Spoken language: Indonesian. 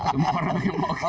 semua orang mungkin mungkin